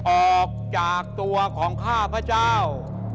ออกจากตัวของข้าพเจ้า